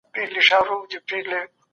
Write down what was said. که خلک کورني خواړه وخوري.